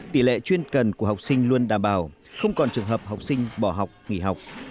tỷ lệ chuyên cần của học sinh luôn đảm bảo không còn trường hợp học sinh bỏ học nghỉ học